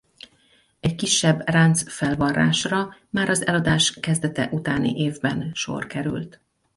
Egy kisebb ráncfelvarrásra már az eladás kezdete utáni évben sor került.